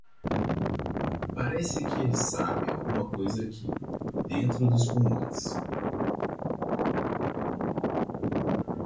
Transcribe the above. Parece que eles sabem alguma coisa aqui, dentro dos pulmões.